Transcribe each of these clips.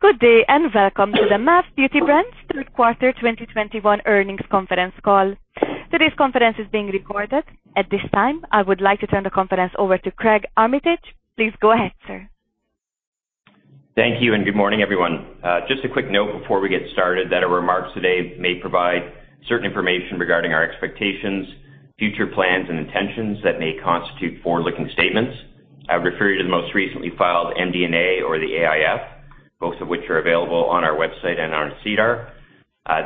Good day, welcome to the MAV Beauty Brands third quarter 2021 earnings conference call. Today's conference is being recorded. At this time, I would like to turn the conference over to Craig Armitage. Please go ahead, sir. Thank you and good morning, everyone. Just a quick note before we get started that our remarks today may provide certain information regarding our expectations, future plans, and intentions that may constitute forward-looking statements. I would refer you to the most recently filed MD&A or the AIF, both of which are available on our website and on SEDAR.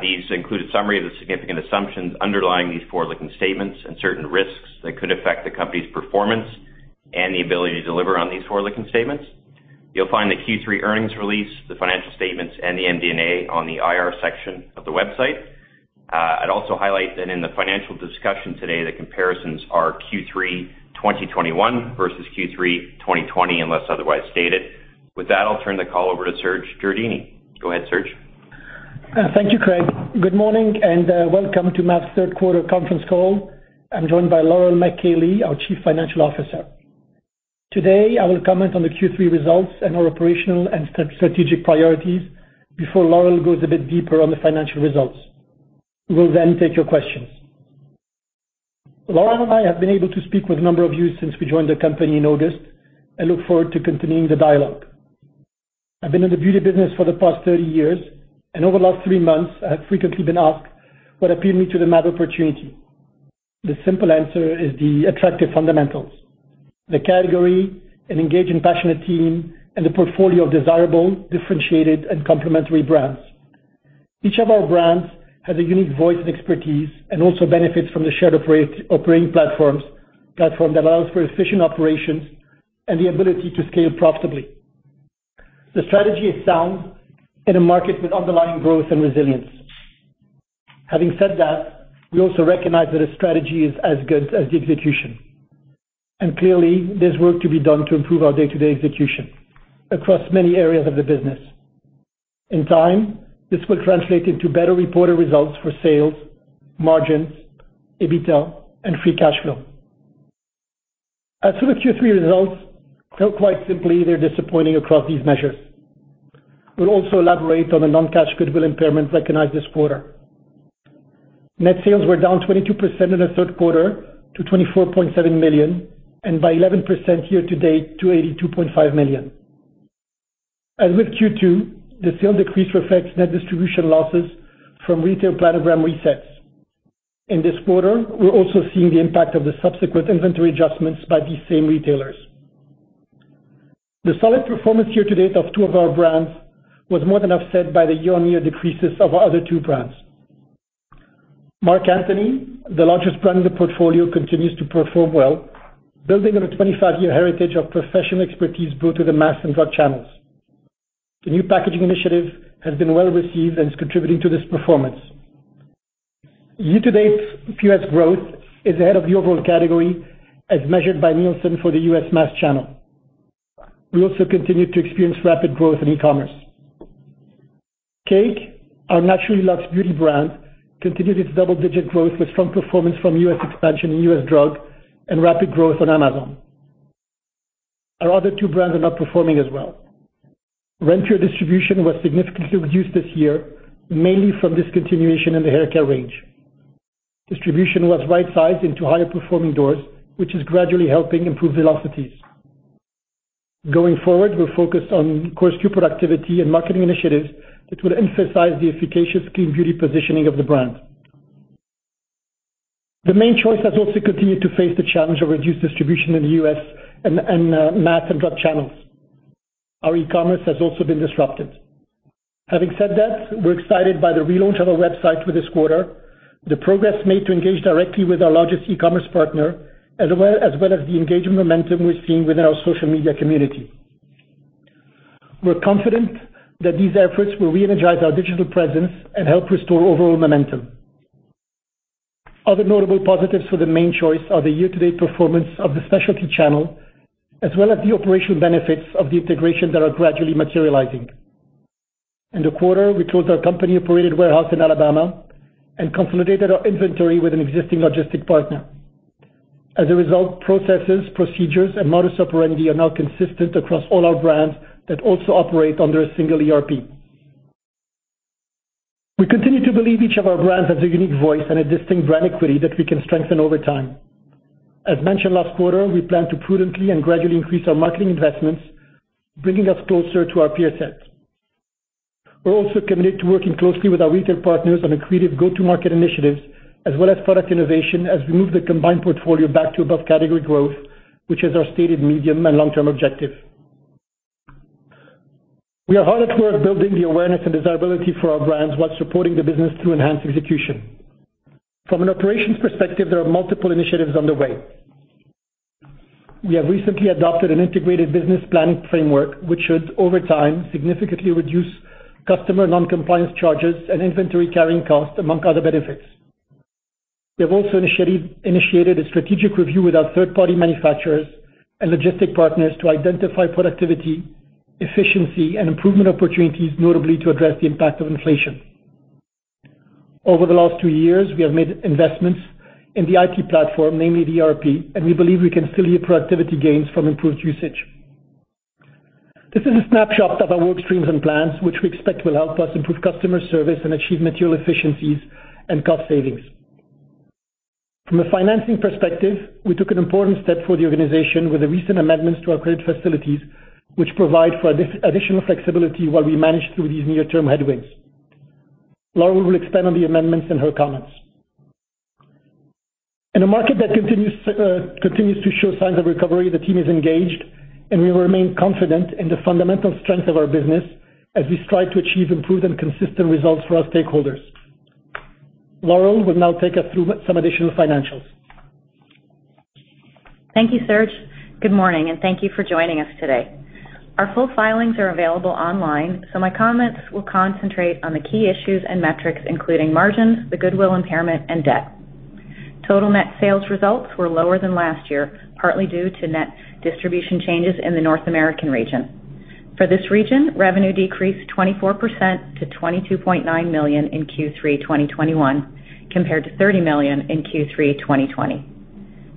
These include a summary of the significant assumptions underlying these forward-looking statements and certain risks that could affect the company's performance and the ability to deliver on these forward-looking statements. You'll find the Q3 earnings release, the financial statements, and the MD&A on the IR section of the website. I'd also highlight that in the financial discussion today, the comparisons are Q3 2021 versus Q3 2020, unless otherwise stated. With that, I'll turn the call over to Serge Jureidini. Go ahead, Serge. Thank you, Craig. Good morning and welcome to MAV's third quarter conference call. I'm joined by Laurel MacKay-Lee, our Chief Financial Officer. Today, I will comment on the Q3 results and our operational and strategic priorities before Laurel goes a bit deeper on the financial results. We'll then take your questions. Laurel and I have been able to speak with a number of you since we joined the company in August and look forward to continuing the dialogue. I've been in the beauty business for the past 30 years, over the last three months, I have frequently been asked what appealed me to the MAV opportunity. The simple answer is the attractive fundamentals. The category, an engaged and passionate team, and a portfolio of desirable, differentiated and complementary brands. Each of our brands has a unique voice and expertise and also benefits from the shared operating platform that allows for efficient operations and the ability to scale profitably. The strategy is sound in a market with underlying growth and resilience. Having said that, we also recognize that a strategy is as good as the execution. Clearly, there's work to be done to improve our day-to-day execution across many areas of the business. In time, this will translate into better reported results for sales, margins, EBITDA, and free cash flow. As for the Q3 results, well, quite simply, they're disappointing across these measures. We'll also elaborate on the non-cash goodwill impairment recognized this quarter. Net sales were down 22% in the third quarter to 24.7 million, and by 11% year-to-date to 82.5 million. As with Q2, the sales decrease reflects net distribution losses from retail planogram resets. In this quarter, we're also seeing the impact of the subsequent inventory adjustments by these same retailers. The solid performance year to date of two of our brands was more than offset by the year-on-year decreases of our other two brands. Marc Anthony, the largest brand in the portfolio, continues to perform well, building on a 25-year heritage of professional expertise brought to the mass and drug channels. The new packaging initiative has been well received and is contributing to this performance. Year to date, U.S. growth is ahead of the overall category as measured by Nielsen for the U.S. mass channel. We also continue to experience rapid growth in e-commerce. Cake, our naturally-luxe beauty brand, continues its double-digit growth with strong performance from U.S. expansion in U.S. drug and rapid growth on Amazon. Our other two brands are not performing as well. Renpure distribution was significantly reduced this year, mainly from discontinuation in the haircare range. Distribution was right-sized into higher performing doors, which is gradually helping improve velocities. Going forward, we're focused on core productivity and marketing initiatives, which will emphasize the efficacious clean beauty positioning of the brand. The Mane Choice has also continued to face the challenge of reduced distribution in the U.S. and mass and drug channels. Our e-commerce has also been disrupted. Having said that, we're excited by the relaunch of our website for this quarter, the progress made to engage directly with our largest e-commerce partner, as well as the engagement momentum we're seeing within our social media community. We're confident that these efforts will reenergize our digital presence and help restore overall momentum. Other notable positives for The Mane Choice are the year-to-date performance of the specialty channel, as well as the operational benefits of the integration that are gradually materializing. In the quarter, we closed our company-operated warehouse in Alabama and consolidated our inventory with an existing logistic partner. As a result, processes, procedures, and modus operandi are now consistent across all our brands that also operate under a single ERP. We continue to believe each of our brands has a unique voice and a distinct brand equity that we can strengthen over time. As mentioned last quarter, we plan to prudently and gradually increase our marketing investments, bringing us closer to our peer set. We're also committed to working closely with our retail partners on accretive go-to-market initiatives as well as product innovation as we move the combined portfolio back to above-category growth, which is our stated medium and long-term objective. We are hard at work building the awareness and desirability for our brands while supporting the business through enhanced execution. From an operations perspective, there are multiple initiatives underway. We have recently adopted an integrated business planning framework, which should over time, significantly reduce customer non-compliance charges and inventory carrying costs, among other benefits. We have also initiated a strategic review with our third-party manufacturers and logistic partners to identify productivity, efficiency, and improvement opportunities, notably to address the impact of inflation. Over the last two years, we have made investments in the IT platform, namely ERP, and we believe we can still reap productivity gains from improved usage. This is a snapshot of our work streams and plans, which we expect will help us improve customer service and achieve material efficiencies and cost savings. From a financing perspective, we took an important step for the organization with the recent amendments to our credit facilities, which provide for additional flexibility while we manage through these near-term headwinds. Laurel will expand on the amendments in her comments. In a market that continues to show signs of recovery, the team is engaged, and we remain confident in the fundamental strength of our business as we strive to achieve improved and consistent results for our stakeholders. Laurel will now take us through some additional financials. Thank you, Serge. Good morning, and thank you for joining us today. Our full filings are available online, so my comments will concentrate on the key issues and metrics, including margins, the goodwill impairment and debt. Total net sales results were lower than last year, partly due to net distribution changes in the North American region. For this region, revenue decreased 24% to 22.9 million in Q3 2021 compared to 30 million in Q3 2020.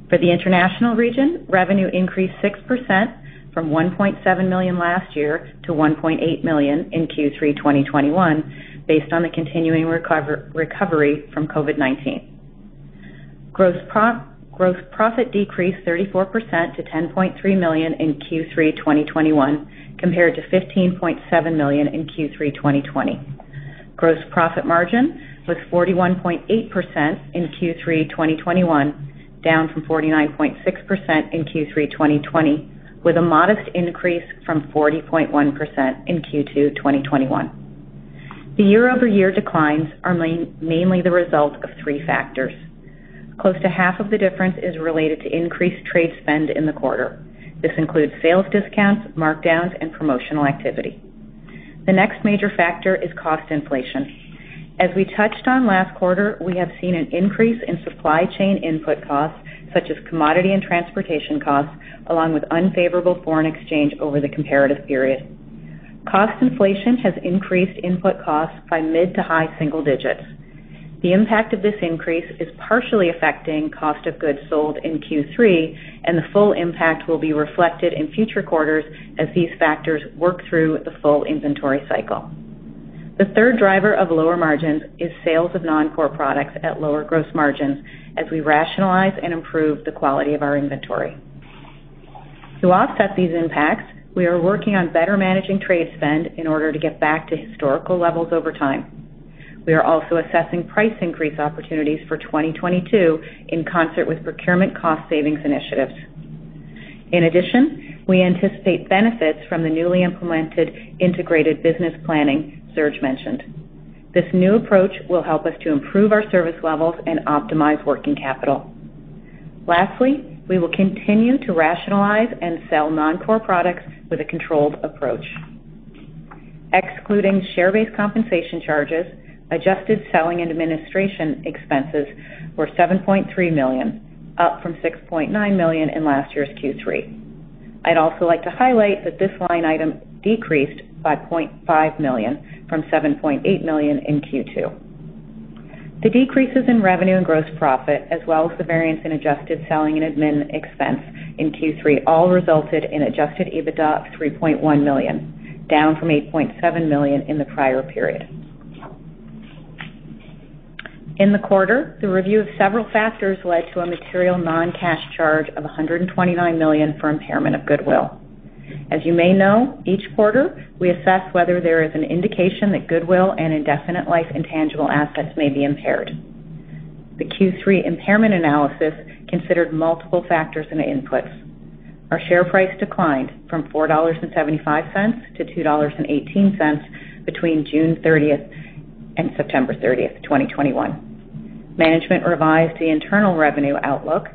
For the international region, revenue increased 6% from 1.7 million last year to 1.8 million in Q3 2021, based on the continuing recovery from COVID-19. Gross profit decreased 34% to 10.3 million in Q3 2021 compared to 15.7 million in Q3 2020. Gross profit margin was 41.8% in Q3 2021, down from 49.6% in Q3 2020, with a modest increase from 40.1% in Q2 2021. The year-over-year declines are mainly the result of three factors. Close to half of the difference is related to increased trade spend in the quarter. This includes sales discounts, markdowns, and promotional activity. The next major factor is cost inflation. As we touched on last quarter, we have seen an increase in supply chain input costs, such as commodity and transportation costs, along with unfavorable foreign exchange over the comparative period. Cost inflation has increased input costs by mid to high single digits. The impact of this increase is partially affecting cost of goods sold in Q3, and the full impact will be reflected in future quarters as these factors work through the full inventory cycle. The third driver of lower margins is sales of non-core products at lower gross margins as we rationalize and improve the quality of our inventory. To offset these impacts, we are working on better managing trade spend in order to get back to historical levels over time. We are also assessing price increase opportunities for 2022 in concert with procurement cost savings initiatives. In addition, we anticipate benefits from the newly implemented integrated business planning Serge mentioned. This new approach will help us to improve our service levels and optimize working capital. Lastly, we will continue to rationalize and sell non-core products with a controlled approach. Excluding share-based compensation charges, adjusted selling and administration expenses were 7.3 million, up from 6.9 million in last year's Q3. I'd also like to highlight that this line item decreased by 0.5 million from 7.8 million in Q2. The decreases in revenue and gross profit, as well as the variance in adjusted selling and admin expense in Q3 all resulted in adjusted EBITDA of 3.1 million, down from 8.7 million in the prior period. In the quarter, the review of several factors led to a material non-cash charge of 129 million for impairment of goodwill. As you may know, each quarter, we assess whether there is an indication that goodwill and indefinite life intangible assets may be impaired. The Q3 impairment analysis considered multiple factors and inputs. Our share price declined from $4.75-$2.18 between June 30th and September 30th, 2021. Management revised the internal revenue outlook,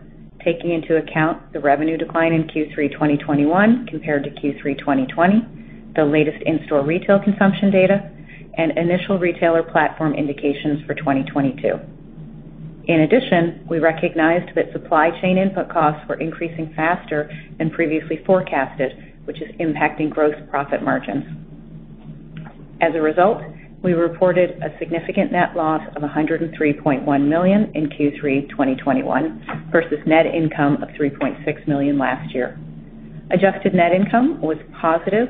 taking into account the revenue decline in Q3 2021 compared to Q3 2020, the latest in-store retail consumption data and initial retailer platform indications for 2022. In addition, we recognized that supply chain input costs were increasing faster than previously forecasted, which is impacting gross profit margins. As a result, we reported a significant net loss of 103.1 million in Q3 2021 versus net income of 3.6 million last year. Adjusted net income was positive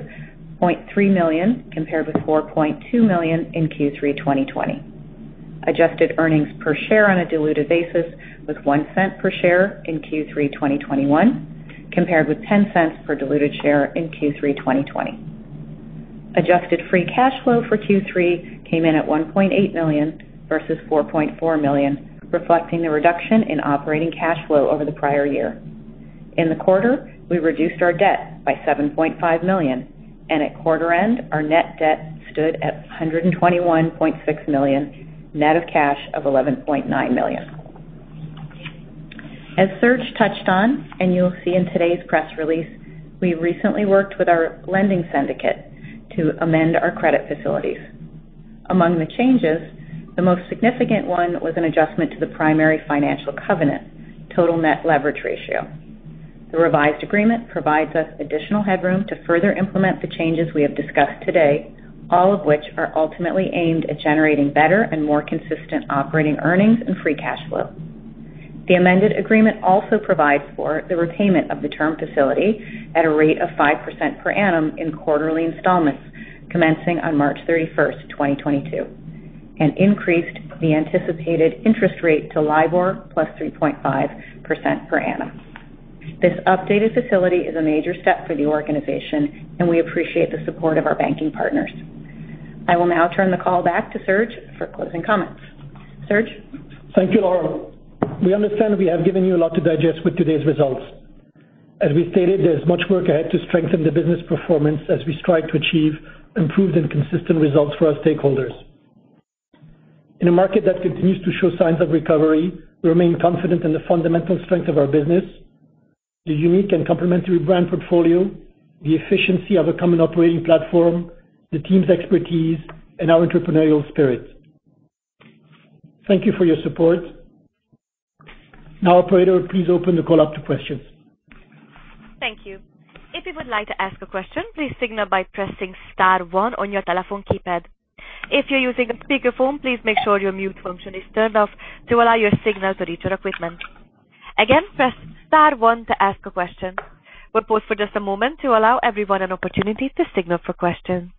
0.3 million compared with 4.2 million in Q3 2020. Adjusted earnings per share on a diluted basis was 0.01 per share in Q3 2021 compared with 0.10 per diluted share in Q3 2020. Adjusted free cash flow for Q3 came in at 1.8 million versus 4.4 million, reflecting the reduction in operating cash flow over the prior year. In the quarter, we reduced our debt by 7.5 million, and at quarter end, our net debt stood at 121.6 million, net of cash of 11.9 million. As Serge touched on and you will see in today's press release, we recently worked with our lending syndicate to amend our credit facilities. Among the changes, the most significant one was an adjustment to the primary financial covenant, total net leverage ratio. The revised agreement provides us additional headroom to further implement the changes we have discussed today, all of which are ultimately aimed at generating better and more consistent operating earnings and free cash flow. The amended agreement also provides for the repayment of the term facility at a rate of 5% per annum in quarterly installments commencing on March 31st, 2022, and increased the anticipated interest rate to LIBOR plus 3.5% per annum. This updated facility is a major step for the organization, and we appreciate the support of our banking partners. I will now turn the call back to Serge for closing comments. Serge? Thank you, Laurel. We understand we have given you a lot to digest with today's results. As we stated, there's much work ahead to strengthen the business performance as we strive to achieve improved and consistent results for our stakeholders. In a market that continues to show signs of recovery, we remain confident in the fundamental strength of our business, the unique and complementary brand portfolio, the efficiency of a common operating platform, the team's expertise, and our entrepreneurial spirit. Thank you for your support. Now, operator, please open the call up to questions. Thank you. If you would like to ask a question, please signal by pressing star one on your telephone keypad. If you're using a speakerphone, please make sure your mute function is turned off to allow your signal to reach our equipment. Again, press star one to ask a question. We'll pause for just a moment to allow everyone an opportunity to signal for questions.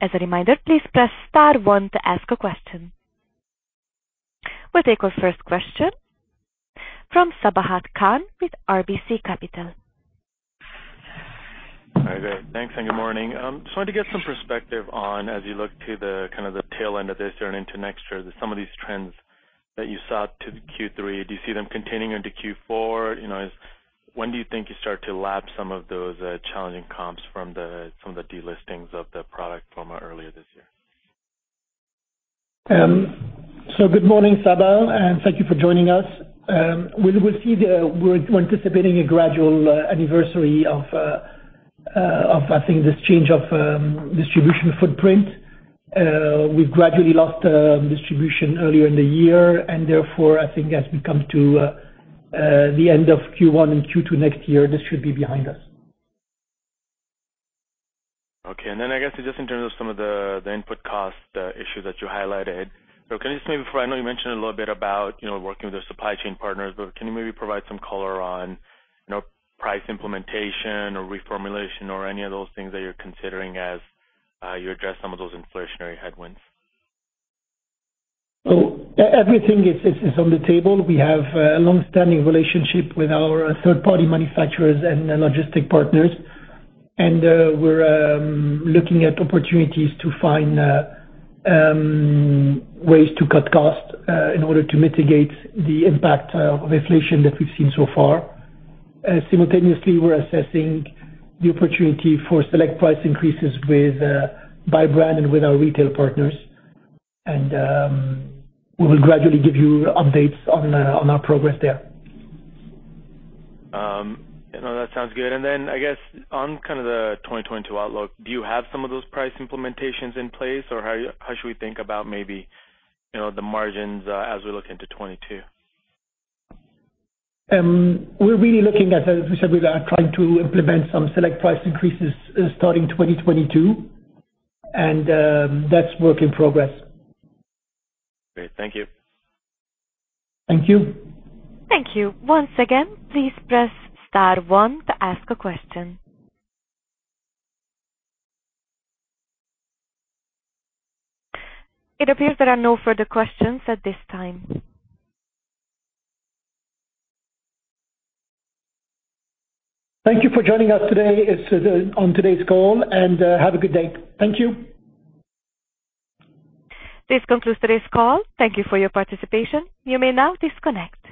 As a reminder, please press star one to ask a question. We'll take our first question from Sabahat Khan with RBC Capital. Hi, there. Thanks, good morning. Just wanted to get some perspective on as you look to the, kind of, the tail end of this year and into next year, some of these trends that you saw to Q3, do you see them continuing into Q4? You know, when do you think you start to lap some of those challenging comps from the delistings of the product from earlier this year? Good morning, Sabahat, and thank you for joining us. We're anticipating a gradual anniversary of, I think, this change of distribution footprint. We've gradually lost distribution earlier in the year. Therefore, I think as we come to the end of Q1 and Q2 next year, this should be behind us. Okay. I guess just in terms of some of the input cost issues that you highlighted. Can you just maybe frame, I know you mentioned a little bit about, you know, working with the supply chain partners, but can you maybe provide some color on, you know, price implementation or reformulation or any of those things that you're considering as you address some of those inflationary headwinds? Everything is on the table. We have a long-standing relationship with our third-party manufacturers and logistic partners. We're looking at opportunities to find ways to cut costs in order to mitigate the impact of inflation that we've seen so far. Simultaneously, we're assessing the opportunity for select price increases with by brand and with our retail partners. We will gradually give you updates on our progress there. No, that sounds good. I guess on kind of the 2022 outlook, do you have some of those price implementations in place, or how should we think about maybe, you know, the margins, as we look into 2022? We're really looking at, as we said, we are trying to implement some select price increases starting 2022, and that's work in progress. Great. Thank you. Thank you. Thank you. Once again, please press star one to ask a question. It appears there are no further questions at this time. Thank you for joining us today, on today's call, and have a good day. Thank you. This concludes today's call. Thank you for your participation. You may now disconnect.